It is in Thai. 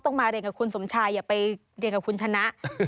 มาเรียนกับคุณสมชายอย่าไปเรียนกับคุณชนะ